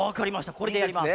これでやります。